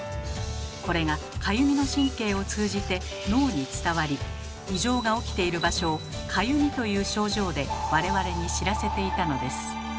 これがかゆみの神経を通じて脳に伝わり異常が起きている場所を「かゆみ」という症状で我々に知らせていたのです。